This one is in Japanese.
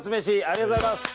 ありがとうございます。